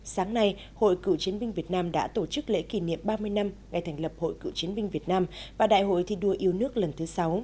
sáng nay hội cựu chiến binh việt nam đã tổ chức lễ kỷ niệm ba mươi năm ngày thành lập hội cựu chiến binh việt nam và đại hội thi đua yêu nước lần thứ sáu